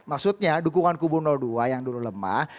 maksudnya dukungan kubu dua yang dulu lemah